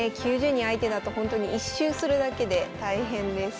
９０人相手だとほんとに１周するだけで大変です。